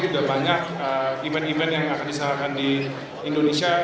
sudah banyak event event yang akan disalahkan di indonesia